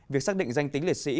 việc xác định danh tính liệt sĩ